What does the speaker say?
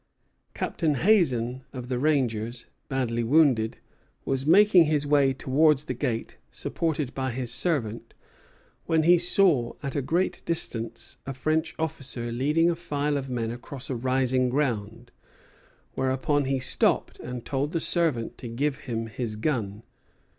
Captain Hazen, of the rangers, badly wounded, was making his way towards the gate, supported by his servant, when he saw at a great distance a French officer leading a file of men across a rising ground; whereupon he stopped and told the servant to give him his gun.